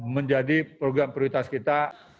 menjadi program prioritas kita